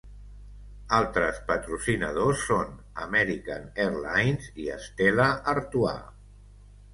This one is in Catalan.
Altres patrocinadors són American Airlines i Stella Artois.